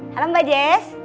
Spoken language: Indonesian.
halo mbak jess